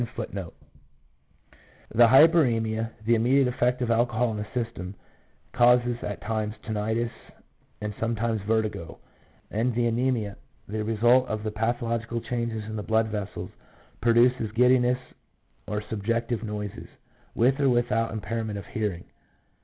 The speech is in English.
1 The hyperemia, the immediate effect of alcohol in the system, causes at times tinnitus and sometimes vertigo; and the anemia, the result of the pathological changes in the blood vessels, produces giddiness or subjective noises, with or without impairment of hearing.